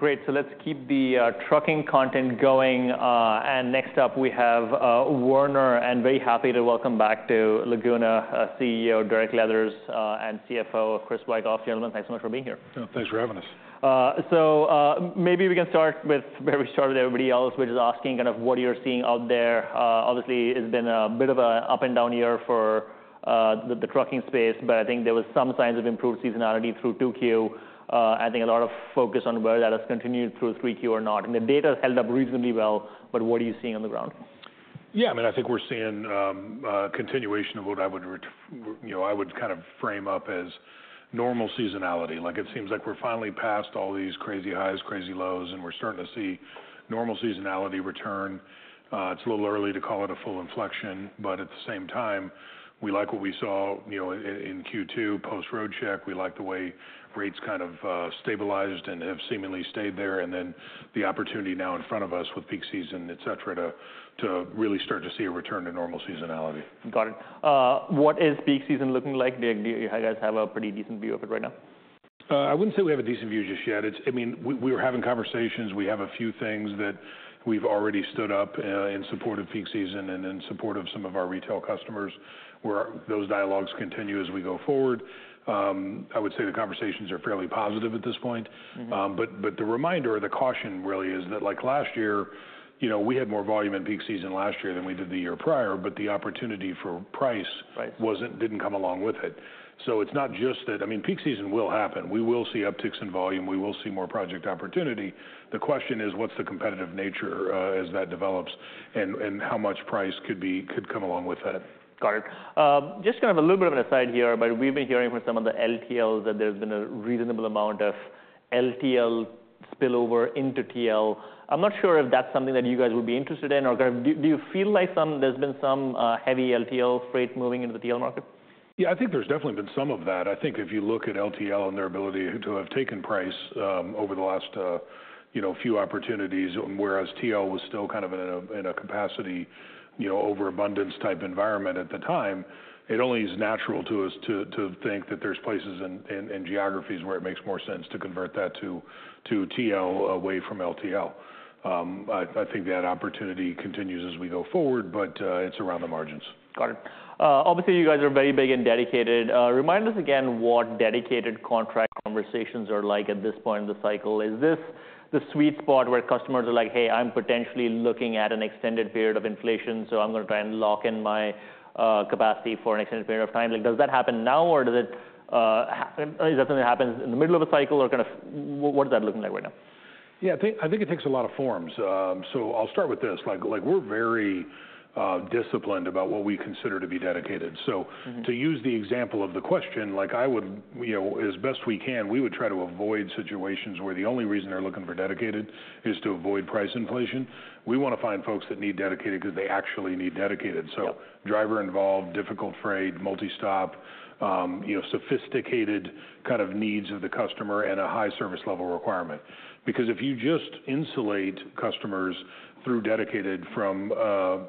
Great, so let's keep the trucking content going, and next up we have Werner and very happy to welcome back to Laguna, CEO Derek Leathers and CFO Chris Wikoff. Gentlemen, thanks so much for being here. Thanks for having us. So, maybe we can start with where we started everybody else, which is asking kind of what you're seeing out there. Obviously, it's been a bit of a up and down year for the trucking space, but I think there was some signs of improved seasonality through 2Q. I think a lot of focus on whether that has continued through 3Q or not, and the data has held up reasonably well, but what are you seeing on the ground? Yeah, I mean, I think we're seeing a continuation of what I would you know, I would kind of frame up as normal seasonality. Like, it seems like we're finally past all these crazy highs, crazy lows, and we're starting to see normal seasonality return. It's a little early to call it a full inflection, but at the same time, we like what we saw, you know, in Q2, post Roadcheck. We like the way rates kind of stabilized and have seemingly stayed there, and then the opportunity now in front of us with peak season, et cetera, to really start to see a return to normal seasonality. Got it. What is peak season looking like? Do you, you guys have a pretty decent view of it right now? I wouldn't say we have a decent view just yet. It's, I mean, we were having conversations. We have a few things that we've already stood up, in support of peak season and in support of some of our retail customers, where those dialogues continue as we go forward. I would say the conversations are fairly positive at this point. Mm-hmm. But the reminder, the caution really is that, like last year, you know, we had more volume in peak season last year than we did the year prior, but the opportunity for price- Right wasn't, didn't come along with it. So it's not just that... I mean, peak season will happen. We will see upticks in volume. We will see more project opportunity. The question is, what's the competitive nature as that develops, and how much price could come along with that? Got it. Just kind of a little bit of an aside here, but we've been hearing from some of the LTLs that there's been a reasonable amount of LTL spillover into TL. I'm not sure if that's something that you guys would be interested in or kind of, do you feel like there's been some heavy LTL freight moving into the TL market? Yeah, I think there's definitely been some of that. I think if you look at LTL and their ability to have taken price over the last, you know, few opportunities, whereas TL was still kind of in a capacity, you know, overabundance-type environment at the time, it only is natural to us to think that there's places and geographies where it makes more sense to convert that to TL away from LTL. I think that opportunity continues as we go forward, but it's around the margins. Got it. Obviously, you guys are very big and dedicated. Remind us again what dedicated contract conversations are like at this point in the cycle. Is this the sweet spot where customers are like, "Hey, I'm potentially looking at an extended period of inflation, so I'm going to try and lock in my capacity for an extended period of time?" Like, does that happen now, or does it happen? Is that something that happens in the middle of a cycle or kind of what does that look like right now? Yeah, I think it takes a lot of forms, so I'll start with this: like, we're very disciplined about what we consider to be dedicated. Mm-hmm. So to use the example of the question, like, I would, you know, as best we can, we would try to avoid situations where the only reason they're looking for dedicated is to avoid price inflation. We want to find folks that need dedicated because they actually need dedicated. Yep. So driver-involved, difficult freight, multi-stop, you know, sophisticated kind of needs of the customer and a high service level requirement. Because if you just insulate customers through dedicated from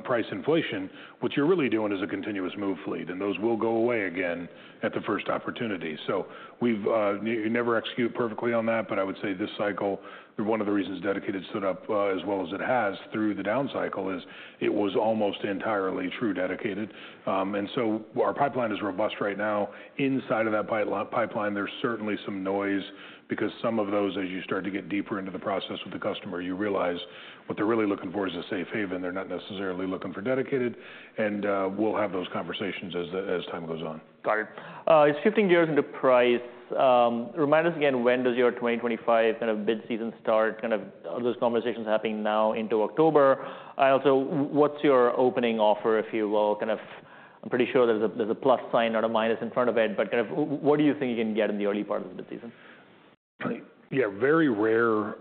price inflation, what you're really doing is a continuous move fleet, and those will go away again at the first opportunity. So we've never execute perfectly on that, but I would say this cycle, one of the reasons Dedicated stood up as well as it has through the down cycle is it was almost entirely true dedicated. And so our pipeline is robust right now. Inside of that pipeline, there's certainly some noise because some of those, as you start to get deeper into the process with the customer, you realize what they're really looking for is a safe haven. They're not necessarily looking for dedicated, and we'll have those conversations as time goes on. Got it. It's shifting gears into price. Remind us again, when does your 2025 kind of bid season start? Kind of are those conversations happening now into October? And also, what's your opening offer, if you will? Kind of I'm pretty sure there's a plus sign or a minus in front of it, but kind of what do you think you can get in the early part of the season? Yeah, very rare,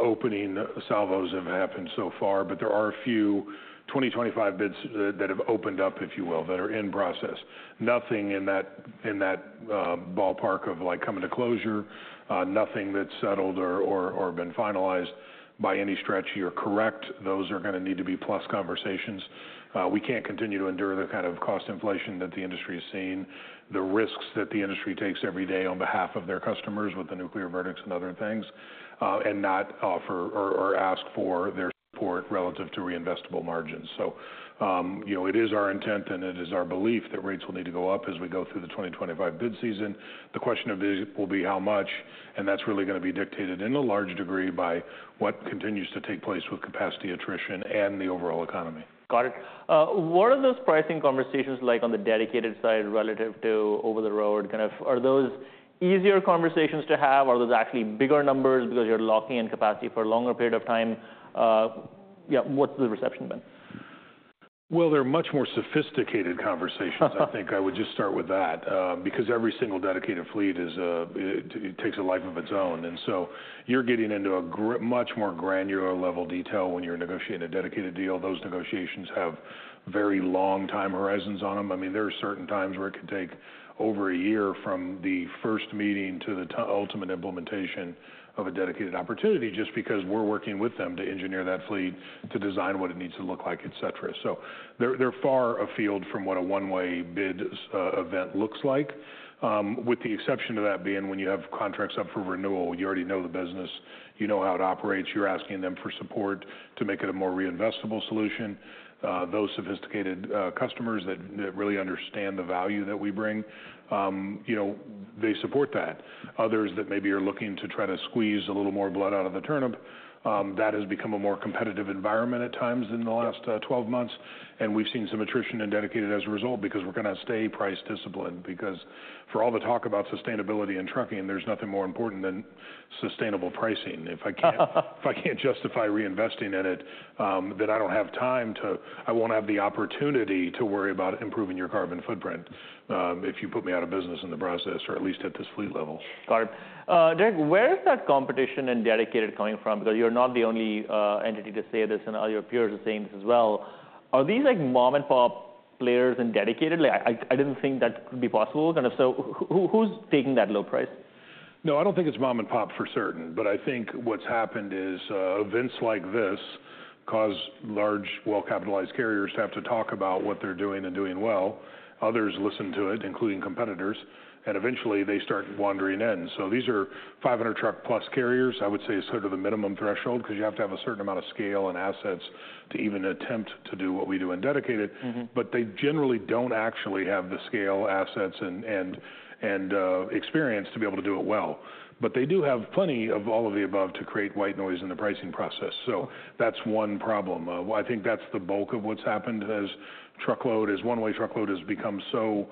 opening salvos have happened so far, but there are a few 2025 bids that have opened up, if you will, that are in process. Nothing in that ballpark of, like, coming to closure, nothing that's settled or been finalized. By any stretch, you're correct, those are going to need to be plus conversations. We can't continue to endure the kind of cost inflation that the industry is seeing, the risks that the industry takes every day on behalf of their customers with the nuclear verdicts and other things, and not offer or ask for their support relative to reinvestable margins. So, you know, it is our intent and it is our belief that rates will need to go up as we go through the 2025 bid season. The question of it will be how much, and that's really going to be dictated in a large degree by what continues to take place with capacity attrition and the overall economy. Got it. What are those pricing conversations like on the dedicated side relative to over-the-road? Kind of are those easier conversations to have, or are those actually bigger numbers because you're locking in capacity for a longer period of time? Yeah, what's the reception been? They're much more sophisticated conversations. I think I would just start with that, because every single dedicated fleet is, it takes a life of its own, and so you're getting into a much more granular level detail when you're negotiating a dedicated deal. Those negotiations have very long time horizons on them. I mean, there are certain times where it could take over a year from the first meeting to the ultimate implementation of a dedicated opportunity, just because we're working with them to engineer that fleet, to design what it needs to look like, et cetera. So they're far afield from what a one-way bid event looks like. With the exception of that being when you have contracts up for renewal, you already know the business. You know how it operates. You're asking them for support to make it a more reinvestable solution. Those sophisticated customers that really understand the value that we bring, you know, they support that. Others that maybe are looking to try to squeeze a little more blood out of the turnip, that has become a more competitive environment at times in the last twelve months, and we've seen some attrition in Dedicated as a result, because we're going to stay price disciplined. Because for all the talk about sustainability in trucking, there's nothing more important than sustainable pricing. If I can't justify reinvesting in it, then I don't have time to. I won't have the opportunity to worry about improving your carbon footprint, if you put me out of business in the process, or at least at this fleet level. Got it. Derek, where is that competition in Dedicated coming from? Because you're not the only entity to say this, and all your peers are saying this as well. Are these, like, mom-and-pop players in Dedicated? Like, I didn't think that could be possible. Kind of, so who, who's taking that low price? No, I don't think it's mom-and-pop for certain, but I think what's happened is, events like this cause large, well-capitalized carriers to have to talk about what they're doing and doing well. Others listen to it, including competitors, and eventually they start wandering in. So these are 500-truck-plus carriers, I would say is sort of the minimum threshold, 'cause you have to have a certain amount of scale and assets to even attempt to do what we do in Dedicated. Mm-hmm. But they generally don't actually have the scale, assets, and experience to be able to do it well. But they do have plenty of all of the above to create white noise in the pricing process, so that's one problem. Well, I think that's the bulk of what's happened as truckload, as one-way truckload has become so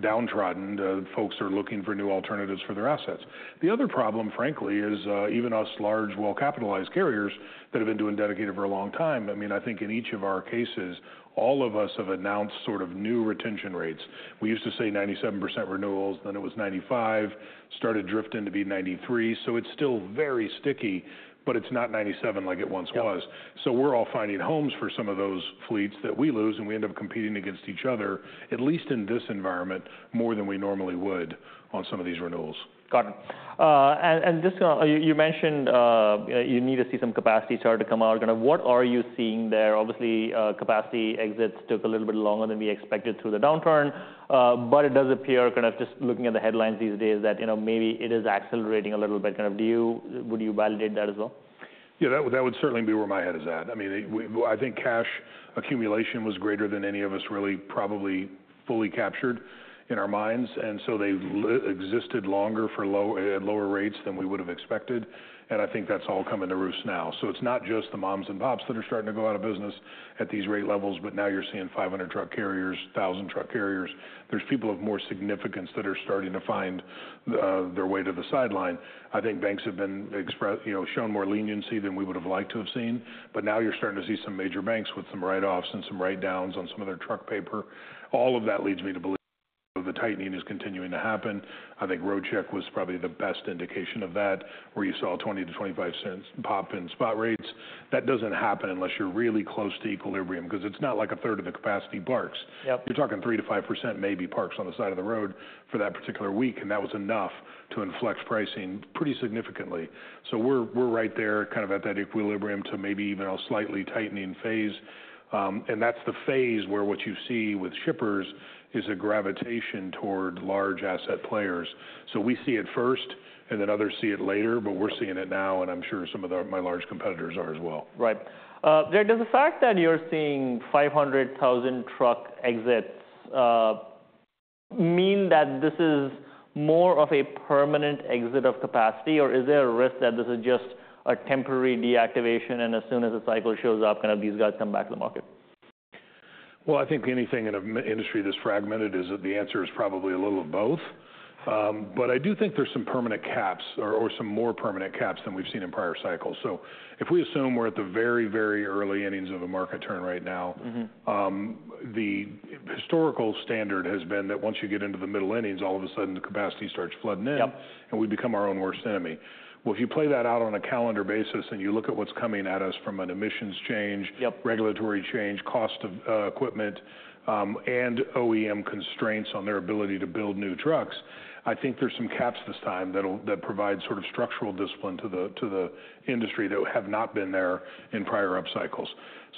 downtrodden that folks are looking for new alternatives for their assets. The other problem, frankly, is even us large, well-capitalized carriers that have been doing dedicated for a long time. I mean, I think in each of our cases, all of us have announced sort of new retention rates. We used to say 97% renewals, then it was 95%, started drifting to be 93%. So it's still very sticky, but it's not ninety-seven like it once was. Yep. So we're all finding homes for some of those fleets that we lose, and we end up competing against each other, at least in this environment, more than we normally would on some of these renewals. Got it, and just you mentioned, you know, you need to see some capacity start to come out. Kind of, what are you seeing there? Obviously, capacity exits took a little bit longer than we expected through the downturn, but it does appear, kind of just looking at the headlines these days, that, you know, maybe it is accelerating a little bit. Kind of, would you validate that as well? Yeah, that would, that would certainly be where my head is at. I mean, well, I think cash accumulation was greater than any of us really probably fully captured in our minds, and so they existed longer at lower rates than we would've expected, and I think that's all coming to roost now. So it's not just the moms and pops that are starting to go out of business at these rate levels, but now you're seeing 500 truck carriers, 1,000 truck carriers. There are people of more significance that are starting to find their way to the sideline. I think banks have been, you know, showing more leniency than we would've liked to have seen, but now you're starting to see some major banks with some write-offs and some write-downs on some of their truck paper. All of that leads me to believe the tightening is continuing to happen. I think Roadcheck was probably the best indication of that, where you saw $0.20-$0.25 pop in spot rates. That doesn't happen unless you're really close to equilibrium, 'cause it's not like a third of the capacity parks. Yep. You're talking 3-5% maybe parks on the side of the road for that particular week, and that was enough to inflect pricing pretty significantly. So we're right there, kind of at that equilibrium to maybe even a slightly tightening phase. And that's the phase where what you see with shippers is a gravitation toward large asset players. So we see it first, and then others see it later. But we're seeing it now, and I'm sure some of my large competitors are as well. Right. Derek, does the fact that you're seeing 500,000 truck exits mean that this is more of a permanent exit of capacity, or is there a risk that this is just a temporary deactivation, and as soon as the cycle shows up, kind of these guys come back to the market? I think anything in an industry this fragmented is that the answer is probably a little of both. But I do think there's some permanent caps or some more permanent caps than we've seen in prior cycles. So if we assume we're at the very, very early innings of a market turn right now. Mm-hmm... the historical standard has been that once you get into the middle innings, all of a sudden the capacity starts flooding in- Yep... and we become our own worst enemy. Well, if you play that out on a calendar basis, and you look at what's coming at us from an emissions change- Yep... regulatory change, cost of equipment, and OEM constraints on their ability to build new trucks, I think there's some caps this time that'll provide sort of structural discipline to the industry that have not been there in prior up cycles.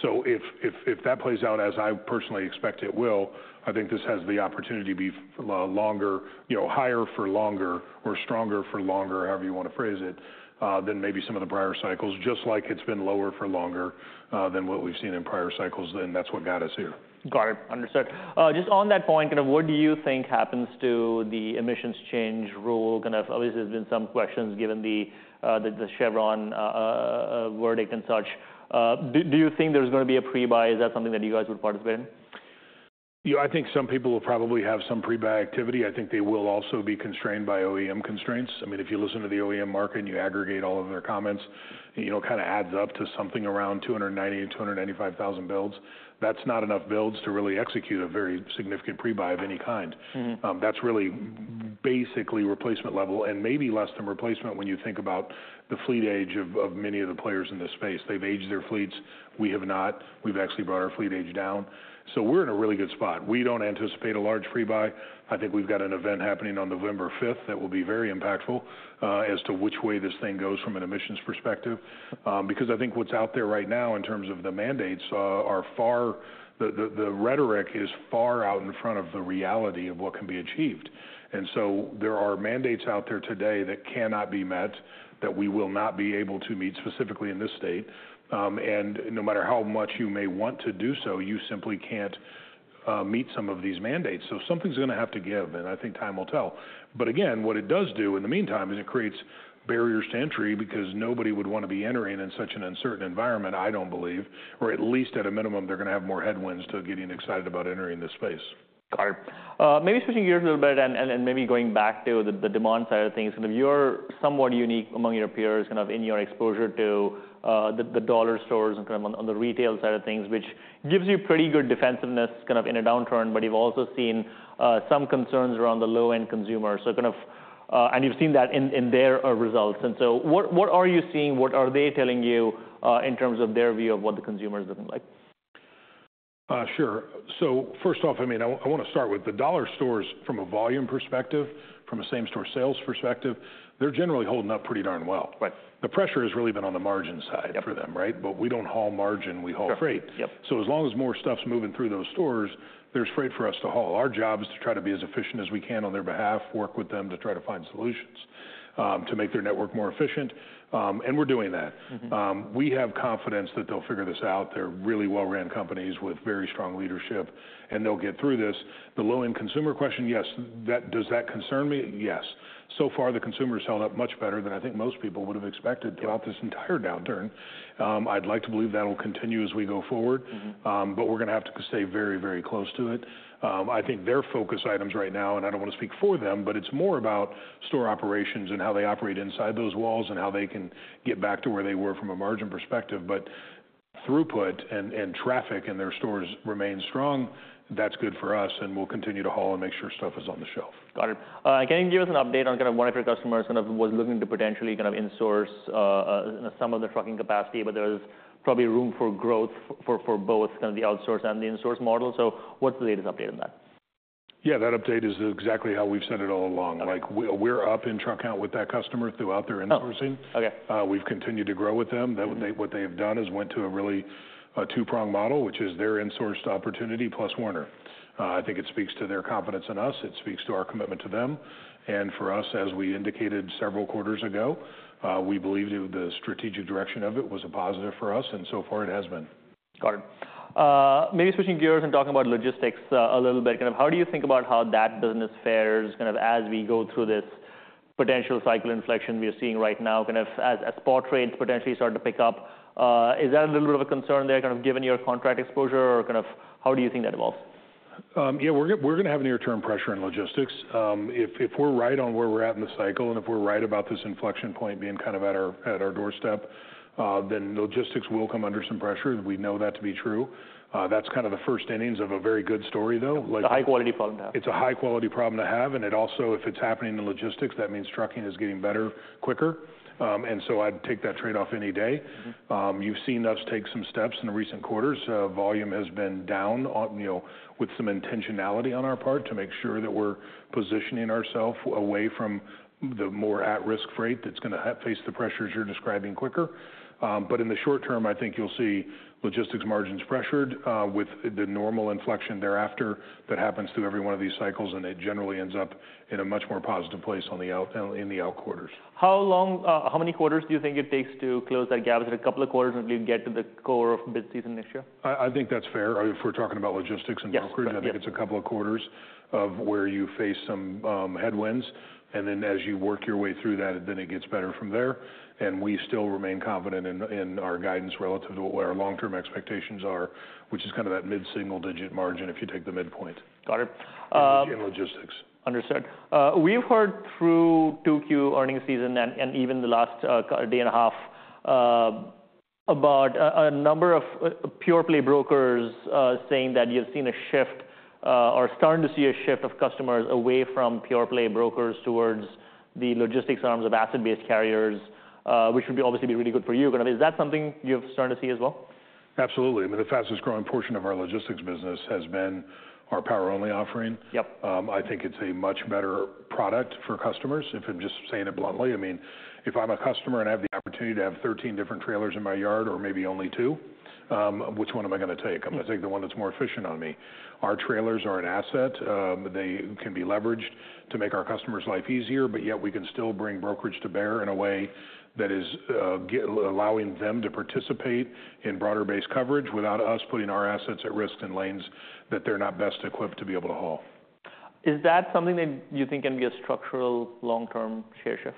So if that plays out, as I personally expect it will, I think this has the opportunity to be longer, you know, higher for longer or stronger for longer, however you want to phrase it, than maybe some of the prior cycles, just like it's been lower for longer, than what we've seen in prior cycles, and that's what got us here. Got it. Understood. Just on that point, kind of what do you think happens to the emissions change rule? Kind of obviously, there's been some questions given the Chevron verdict and such. Do you think there's going to be a pre-buy? Is that something that you guys would participate in?... Yeah, I think some people will probably have some pre-buy activity. I think they will also be constrained by OEM constraints. I mean, if you listen to the OEM market, and you aggregate all of their comments, you know, it kind of adds up to something around 290-295 thousand builds. That's not enough builds to really execute a very significant pre-buy of any kind. Mm-hmm. That's really basically replacement level and maybe less than replacement when you think about the fleet age of many of the players in this space. They've aged their fleets. We have not. We've actually brought our fleet age down, so we're in a really good spot. We don't anticipate a large pre-buy. I think we've got an event happening on November fifth that will be very impactful as to which way this thing goes from an emissions perspective. Because I think what's out there right now, in terms of the mandates, are far, the rhetoric is far out in front of the reality of what can be achieved. And so there are mandates out there today that cannot be met, that we will not be able to meet, specifically in this state. And no matter how much you may want to do so, you simply can't meet some of these mandates, so something's gonna have to give, and I think time will tell. But again, what it does do, in the meantime, is it creates barriers to entry because nobody would want to be entering in such an uncertain environment, I don't believe, or at least at a minimum, they're gonna have more headwinds to getting excited about entering this space. Got it. Maybe switching gears a little bit and then maybe going back to the demand side of things, you're somewhat unique among your peers, kind of in your exposure to the dollar stores and kind of on the retail side of things, which gives you pretty good defensiveness kind of in a downturn, but you've also seen some concerns around the low-end consumer. So kind of, and you've seen that in their results. And so what are you seeing? What are they telling you in terms of their view of what the consumer is looking like? Sure. First off, I mean, I wanna start with the dollar stores from a volume perspective, from a same-store sales perspective. They're generally holding up pretty darn well. Right. The pressure has really been on the margin side- Yep For them, right? But we don't haul margin, we haul freight. Yep, yep. So as long as more stuff's moving through those stores, there's freight for us to haul. Our job is to try to be as efficient as we can on their behalf, work with them to try to find solutions, to make their network more efficient, and we're doing that. Mm-hmm. We have confidence that they'll figure this out. They're really well-run companies with very strong leadership, and they'll get through this. The low-end consumer question, yes, that. Does that concern me? Yes. So far, the consumer's held up much better than I think most people would have expected. Yep -throughout this entire downturn. I'd like to believe that'll continue as we go forward. Mm-hmm. But we're gonna have to stay very, very close to it. I think their focus items right now, and I don't want to speak for them, but it's more about store operations and how they operate inside those walls, and how they can get back to where they were from a margin perspective. But throughput and traffic in their stores remains strong. That's good for us, and we'll continue to haul and make sure stuff is on the shelf. Got it. Can you give us an update on kind of one of your customers, kind of, was looking to potentially kind of insource, some of the trucking capacity, but there's probably room for growth for, for both kind of the outsource and the insource model. So what's the latest update on that? Yeah, that update is exactly how we've said it all along. Okay. Like, we're up in truck count with that customer throughout their insourcing. Oh, okay. We've continued to grow with them. That, what they have done is went to a really two-prong model, which is their insourced opportunity plus Werner. I think it speaks to their confidence in us. It speaks to our commitment to them, and for us, as we indicated several quarters ago, we believe the strategic direction of it was a positive for us, and so far it has been. Got it. Maybe switching gears and talking about logistics, a little bit. Kind of how do you think about how that business fares, kind of as we go through this potential cycle inflection we are seeing right now, kind of as spot rates potentially start to pick up? Is that a little bit of a concern there, kind of given your contract exposure, or kind of how do you think that evolves? Yeah, we're gonna have a near-term pressure in logistics. If we're right on where we're at in the cycle, and if we're right about this inflection point being kind of at our doorstep, then logistics will come under some pressure. We know that to be true. That's kind of the first innings of a very good story, though, like- A high-quality problem to have. It's a high-quality problem to have, and it also, if it's happening in logistics, that means trucking is getting better quicker. And so I'd take that trade-off any day. Mm-hmm. You've seen us take some steps in the recent quarters. Volume has been down on, you know, with some intentionality on our part to make sure that we're positioning ourself away from the more at-risk freight that's gonna face the pressures you're describing quicker. But in the short term, I think you'll see logistics margins pressured, with the normal inflection thereafter. That happens to every one of these cycles, and it generally ends up in a much more positive place in the out quarters. How long, how many quarters do you think it takes to close that gap? Is it a couple of quarters, and we'd get to the core of the season next year? I think that's fair. If we're talking about logistics and brokerage- Yes... I think it's a couple of quarters of where you face some headwinds, and then as you work your way through that, then it gets better from there, and we still remain confident in our guidance relative to what our long-term expectations are, which is kind of that mid-single-digit margin if you take the midpoint- Got it. -in logistics. Understood. We've heard through 2Q earnings season and even the last kind of day and a half about a number of pure-play brokers saying that you've seen a shift or starting to see a shift of customers away from pure-play brokers towards the logistics arms of asset-based carriers, which would obviously be really good for you. But is that something you're starting to see as well? Absolutely. I mean, the fastest growing portion of our logistics business has been our power-only offering. Yep. I think it's a much better product for customers, if I'm just saying it bluntly. I mean, if I'm a customer and I have the opportunity to have thirteen different trailers in my yard or maybe only two, which one am I gonna take? Mm. I'm gonna take the one that's more efficient on me. Our trailers are an asset. They can be leveraged to make our customer's life easier, but yet we can still bring brokerage to bear in a way that is allowing them to participate in broader-based coverage without us putting our assets at risk in lanes that they're not best equipped to be able to haul. Is that something that you think can be a structural, long-term share shift?...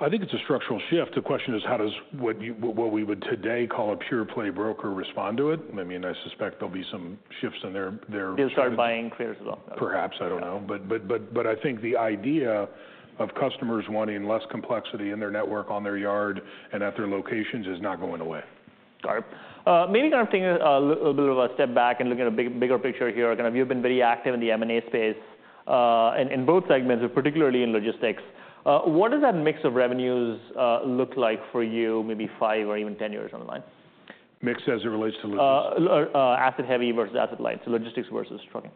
I think it's a structural shift. The question is, how does what you-- what we would today call a pure play broker respond to it? I mean, I suspect there'll be some shifts in their, their- They'll start buying clears as well. Perhaps, I don't know. Yeah. But I think the idea of customers wanting less complexity in their network, on their yard, and at their locations is not going away. Got it. Maybe kind of taking a little bit of a step back and looking at a bigger picture here. Kind of you've been very active in the M&A space, in both segments, but particularly in logistics. What does that mix of revenues look like for you, maybe five or even ten years down the line? Mix as it relates to logistics? Asset heavy versus asset light, so logistics versus trucking.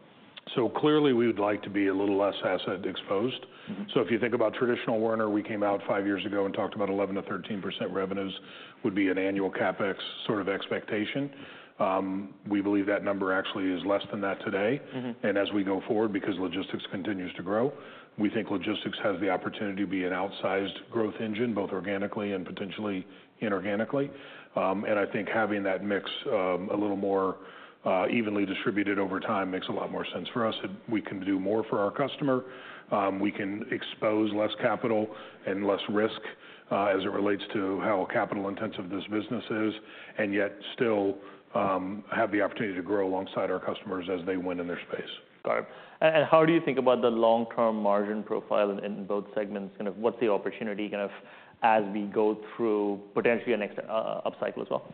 So clearly, we would like to be a little less asset exposed. Mm-hmm. So if you think about traditional Werner, we came out five years ago and talked about 11%-13% revenues would be an annual CapEx sort of expectation. We believe that number actually is less than that today. Mm-hmm. And as we go forward, because logistics continues to grow, we think logistics has the opportunity to be an outsized growth engine, both organically and potentially inorganically. And I think having that mix a little more evenly distributed over time makes a lot more sense for us. And we can do more for our customer. We can expose less capital and less risk as it relates to how capital intensive this business is, and yet still have the opportunity to grow alongside our customers as they win in their space. Got it. And how do you think about the long-term margin profile in both segments? Kind of what's the opportunity kind of, as we go through potentially a next upcycle as well?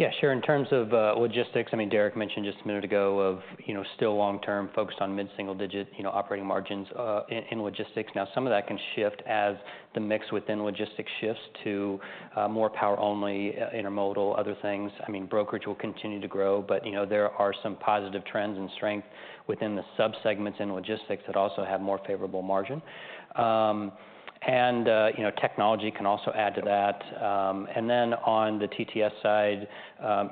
Yeah, sure. In terms of, logistics, I mean, Derek mentioned just a minute ago of, you know, still long-term focused on mid-single digit, you know, operating margins, in, in logistics. Now, some of that can shift as the mix within logistics shifts to, more power only, intermodal, other things. I mean, brokerage will continue to grow, but, you know, there are some positive trends and strength within the subsegments in logistics that also have more favorable margin. And, you know, technology can also add to that. And then on the TTS side,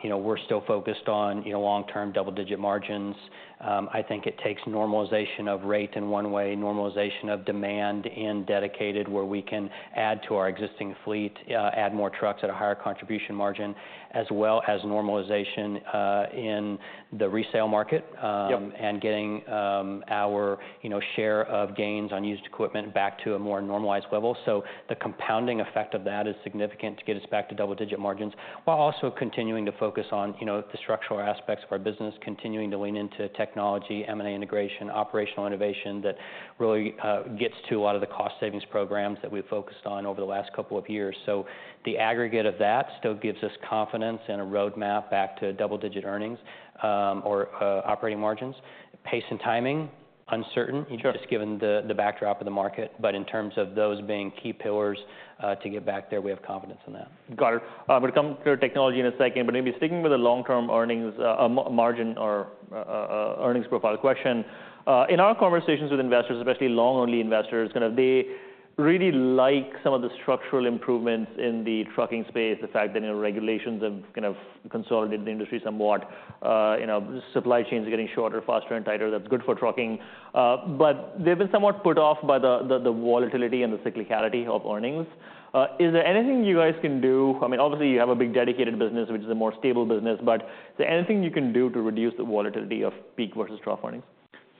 you know, we're still focused on, you know, long-term double-digit margins. I think it takes normalization of rate in one way, normalization of demand in dedicated, where we can add to our existing fleet, add more trucks at a higher contribution margin, as well as normalization in the resale market- Yep... and getting, our, you know, share of gains on used equipment back to a more normalized level. So the compounding effect of that is significant to get us back to double-digit margins, while also continuing to focus on, you know, the structural aspects of our business, continuing to lean into technology, M&A integration, operational innovation that really gets to a lot of the cost savings programs that we've focused on over the last couple of years. So the aggregate of that still gives us confidence and a roadmap back to double-digit earnings, or, operating margins. Pace and timing, uncertain- Sure... just given the backdrop of the market, but in terms of those being key pillars, to get back there, we have confidence in that. Got it. We'll come to technology in a second, but maybe sticking with the long-term earnings margin or earnings profile question. In our conversations with investors, especially long-only investors, kind of they really like some of the structural improvements in the trucking space, the fact that, you know, regulations have kind of consolidated the industry somewhat. You know, supply chains are getting shorter, faster, and tighter. That's good for trucking. But they've been somewhat put off by the volatility and the cyclicality of earnings. Is there anything you guys can do? I mean, obviously, you have a big dedicated business, which is a more stable business, but is there anything you can do to reduce the volatility of peak versus trough earnings?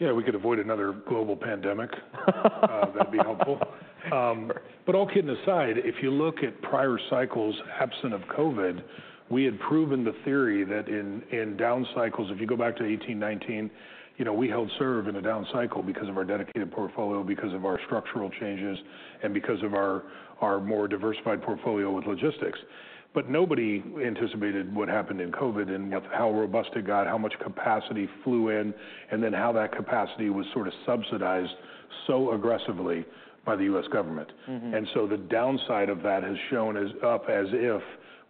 Yeah, we could avoid another global pandemic. That'd be helpful. But all kidding aside, if you look at prior cycles, absent of COVID, we had proven the theory that in down cycles, if you go back to 2018, 2019, you know, we held serve in a down cycle because of our dedicated portfolio, because of our structural changes, and because of our more diversified portfolio with logistics. But nobody anticipated what happened in COVID and how robust it got, how much capacity flew in, and then how that capacity was sort of subsidized so aggressively by the U.S. government. Mm-hmm. And so the downside of that has shown as up, as if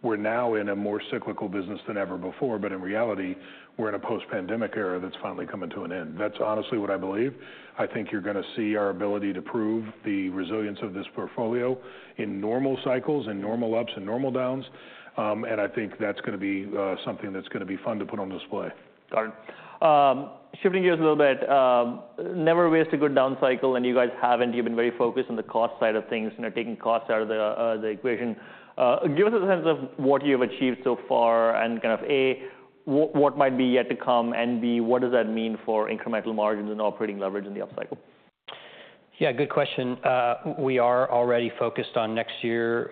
we're now in a more cyclical business than ever before, but in reality, we're in a post-pandemic era that's finally coming to an end. That's honestly what I believe. I think you're going to see our ability to prove the resilience of this portfolio in normal cycles and normal ups and normal downs. And I think that's going to be something that's going to be fun to put on display. Got it. Shifting gears a little bit, never waste a good down cycle, and you guys haven't. You've been very focused on the cost side of things, you know, taking costs out of the equation. Give us a sense of what you've achieved so far, and kind of, A, what might be yet to come? And, B, what does that mean for incremental margins and operating leverage in the upcycle? Yeah, good question. We are already focused on next year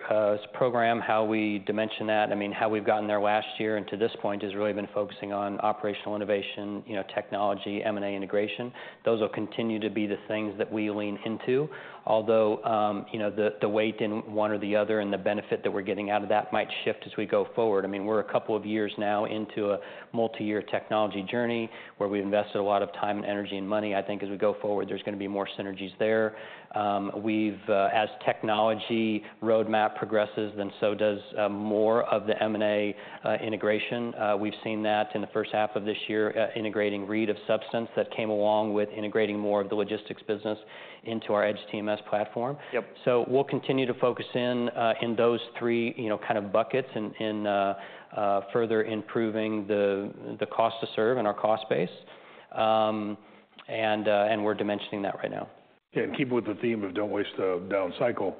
program, how we dimension that. I mean, how we've gotten there last year and to this point, has really been focusing on operational innovation, you know, technology, M&A integration. Those will continue to be the things that we lean into. Although, you know, the, the weight in one or the other and the benefit that we're getting out of that might shift as we go forward. I mean, we're a couple of years now into a multi-year technology journey, where we've invested a lot of time and energy and money. I think as we go forward, there's going to be more synergies there. As technology roadmap progresses, then so does more of the M&A integration. We've seen that in the first half of this year, integrating ReedTMS, that came along with integrating more of the logistics business into our Edge TMS platform. Yep. So we'll continue to focus in those three, you know, kind of buckets in further improving the cost to serve and our cost base. And we're dimensioning that right now. ... Yeah, and keep with the theme of don't waste a down cycle.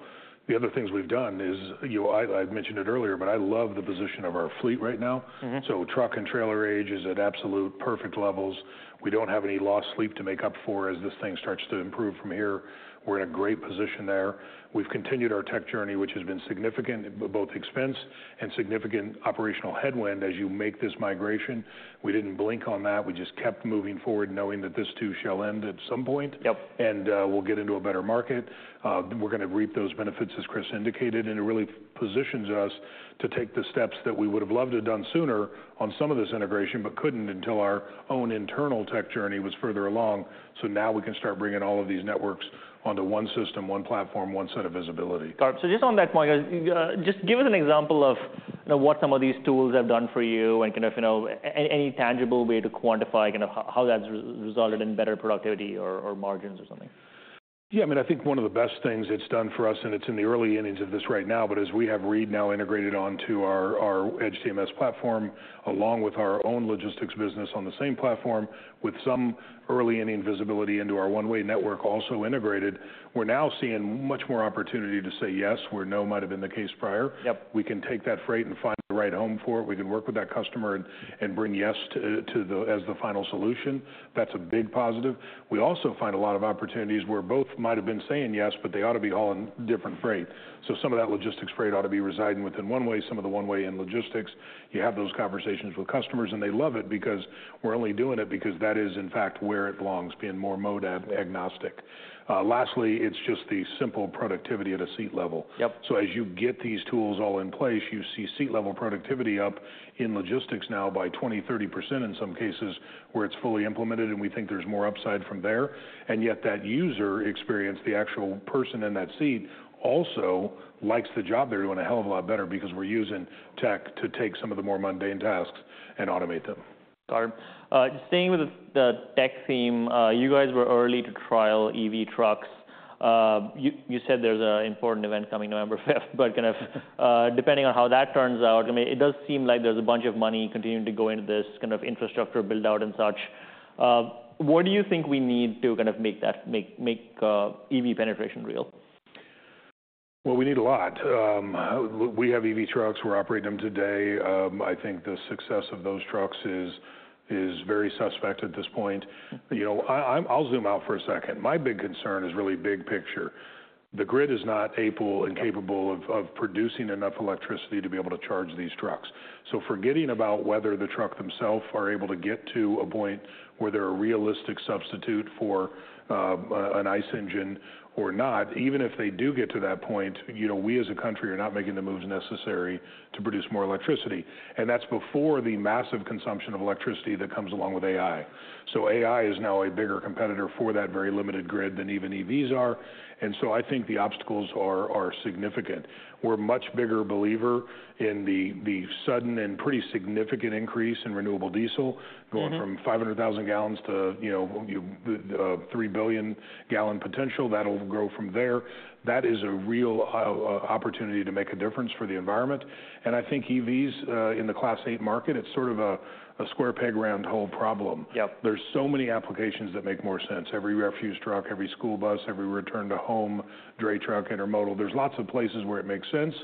The other things we've done is, you know, I've mentioned it earlier, but I love the position of our fleet right now. Mm-hmm. So truck and trailer age is at absolute perfect levels. We don't have any lost sleep to make up for as this thing starts to improve from here. We're in a great position there. We've continued our tech journey, which has been significant, but both expense and significant operational headwind as you make this migration. We didn't blink on that. We just kept moving forward, knowing that this too shall end at some point. Yep. We'll get into a better market. We're going to reap those benefits, as Chris indicated, and it really positions us to take the steps that we would've loved to have done sooner on some of this integration, but couldn't until our own internal tech journey was further along. Now we can start bringing all of these networks onto one system, one platform, one set of visibility. Got it, so just on that point, you... Just give us an example of, you know, what some of these tools have done for you, and kind of, you know, any tangible way to quantify kind of how that's resulted in better productivity or margins or something? Yeah, I mean, I think one of the best things it's done for us, and it's in the early innings of this right now, but as we have Reed now integrated onto our, our Edge TMS platform, along with our own logistics business on the same platform, with some early inning visibility into our one-way network also integrated, we're now seeing much more opportunity to say yes, where no might have been the case prior. Yep. We can take that freight and find the right home for it. We can work with that customer and bring yes to the, as the final solution. That's a big positive. We also find a lot of opportunities where both might have been saying yes, but they ought to be hauling different freight. So some of that logistics freight ought to be residing within one way, some of the one-way in logistics. You have those conversations with customers, and they love it because we're only doing it because that is, in fact, where it belongs, being more mode agnostic. Lastly, it's just the simple productivity at a seat level. Yep. So as you get these tools all in place, you see seat level productivity up in logistics now by 20%-30% in some cases where it's fully implemented, and we think there's more upside from there. And yet that user experience, the actual person in that seat, also likes the job they're doing a hell of a lot better because we're using tech to take some of the more mundane tasks and automate them. Got it. Staying with the tech theme, you guys were early to trial EV trucks. You said there's an important event coming November fifth, but kind of, depending on how that turns out, I mean, it does seem like there's a bunch of money continuing to go into this kind of infrastructure build-out and such. What do you think we need to kind of make that EV penetration real? We need a lot. We have EV trucks. We're operating them today. I think the success of those trucks is very suspect at this point. You know, I'll zoom out for a second. My big concern is really big picture. The grid is not able and capable of producing enough electricity to be able to charge these trucks. So forgetting about whether the truck themselves are able to get to a point where they're a realistic substitute for an ICE engine or not, even if they do get to that point, you know, we as a country are not making the moves necessary to produce more electricity, and that's before the massive consumption of electricity that comes along with AI. So AI is now a bigger competitor for that very limited grid than even EVs are, and so I think the obstacles are significant. We're a much bigger believer in the sudden and pretty significant increase in renewable diesel- Mm-hmm... going from five hundred thousand gallons to, you know, three billion gallon potential. That'll grow from there. That is a real opportunity to make a difference for the environment. And I think EVs in the Class 8 market, it's sort of a square peg, round hole problem. Yep. There's so many applications that make more sense. Every refuse truck, every school bus, every return to home, dray truck, intermodal. There's lots of places where it makes sense,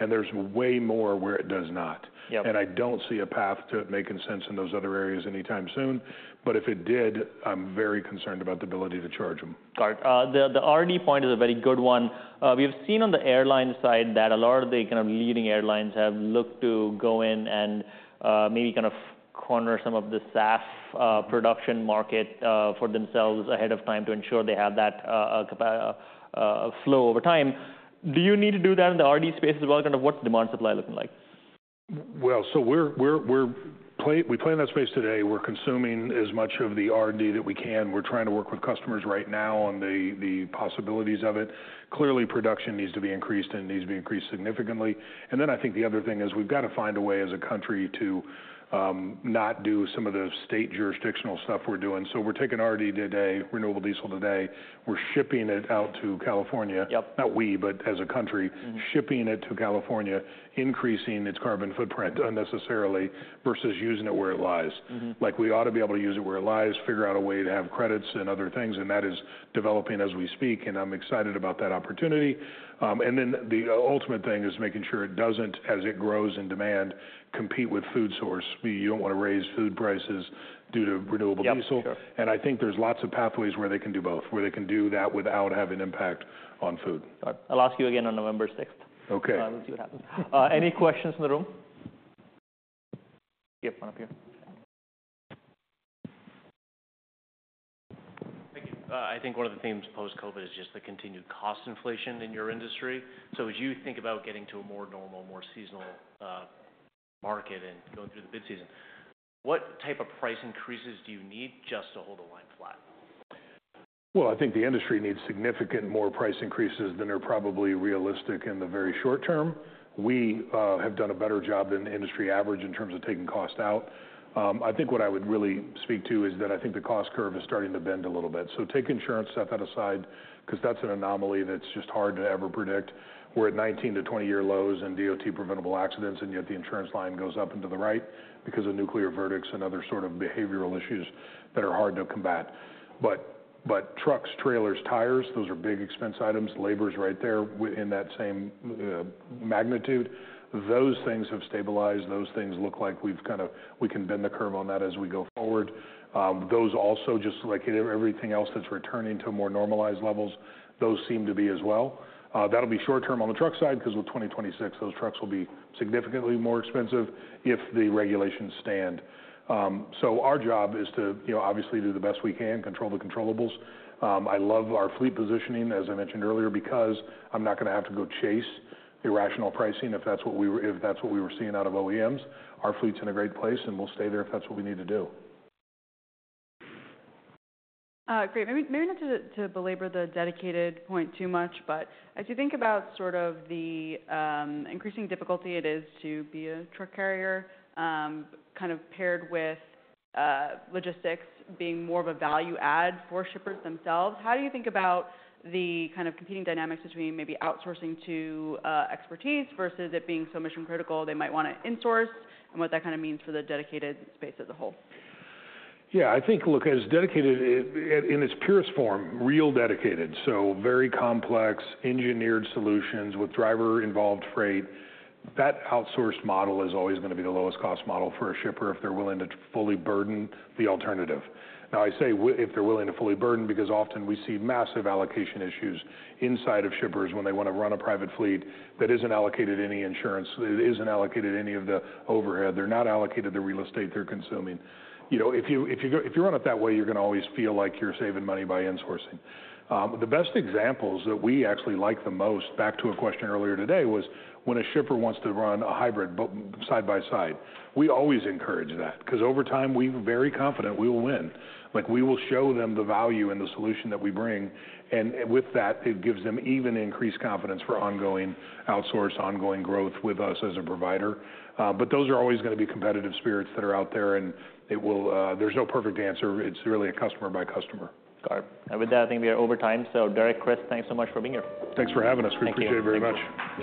and there's way more where it does not. Yep. And I don't see a path to it making sense in those other areas anytime soon, but if it did, I'm very concerned about the ability to charge them. Got it. The RD point is a very good one. We've seen on the airline side that a lot of the kind of leading airlines have looked to go in and maybe kind of corner some of the SAF production market for themselves ahead of time to ensure they have that flow over time. Do you need to do that in the RD space as well? Kind of what's demand supply looking like? We're playing in that space today. We're consuming as much of the RD that we can. We're trying to work with customers right now on the possibilities of it. Clearly, production needs to be increased and needs to be increased significantly. And then I think the other thing is we've got to find a way, as a country, to not do some of the state jurisdictional stuff we're doing. So we're taking RD today, renewable diesel today, we're shipping it out to California. Yep. Not we, but as a country- Mm-hmm... shipping it to California, increasing its carbon footprint unnecessarily, versus using it where it lies. Mm-hmm. Like, we ought to be able to use it where it lies, figure out a way to have credits and other things, and that is developing as we speak, and I'm excited about that opportunity, and then the ultimate thing is making sure it doesn't, as it grows in demand, compete with food source. You don't want to raise food prices due to renewable diesel. Yep, sure. I think there's lots of pathways where they can do both, where they can do that without having an impact on food. I'll ask you again on November sixth. Okay. We'll see what happens. Any questions in the room? You have one up here. Thank you. I think one of the themes post-COVID is just the continued cost inflation in your industry. So as you think about getting to a more normal, more seasonal, market and going through the mid-season, what type of price increases do you need just to hold the line flat? Well, I think the industry needs significant more price increases than are probably realistic in the very short term. I've done a better job than the industry average in terms of taking cost out. I think what I would really speak to is that I think the cost curve is starting to bend a little bit. So take insurance, set that aside, 'cause that's an anomaly that's just hard to ever predict. We're at 19-to-20-year lows in DOT-preventable accidents, and yet the insurance line goes up and to the right because of nuclear verdicts and other sort of behavioral issues that are hard to combat. But trucks, trailers, tires, those are big expense items. Labor's right there in that same magnitude. Those things have stabilized. Those things look like we can bend the curve on that as we go forward. Those also, just like everything else that's returning to more normalized levels, those seem to be as well. That'll be short term on the truck side, 'cause with 2026, those trucks will be significantly more expensive if the regulations stand. So our job is to, you know, obviously do the best we can, control the controllables. I love our fleet positioning, as I mentioned earlier, because I'm not going to have to go chase irrational pricing if that's what we were seeing out of OEMs. Our fleet's in a great place, and we'll stay there if that's what we need to do. Great. Maybe, maybe not to belabor the dedicated point too much, but as you think about sort of the increasing difficulty it is to be a truck carrier, kind of paired with logistics being more of a value add for shippers themselves, how do you think about the kind of competing dynamics between maybe outsourcing to expertise versus it being so mission-critical they might want to insource, and what that kind of means for the dedicated space as a whole? Yeah, I think, look, as dedicated, in its purest form, real dedicated, so very complex, engineered solutions with driver-involved freight, that outsourced model is always going to be the lowest cost model for a shipper if they're willing to fully burden the alternative. Now, I say if they're willing to fully burden, because often we see massive allocation issues inside of shippers when they want to run a private fleet that isn't allocated any insurance, it isn't allocated any of the overhead. They're not allocated the real estate they're consuming. You know, if you, if you go, if you run it that way, you're going to always feel like you're saving money by insourcing. The best examples that we actually like the most, back to a question earlier today, was when a shipper wants to run a hybrid but side by side. We always encourage that, 'cause over time, we're very confident we will win. Like, we will show them the value and the solution that we bring, and with that, it gives them even increased confidence for ongoing outsource, ongoing growth with us as a provider. But those are always going to be competitive spirits that are out there, and it will... There's no perfect answer. It's really a customer by customer. Got it. And with that, I think we are over time. So Derek, Chris, thanks so much for being here. Thanks for having us. Thank you. We appreciate it very much.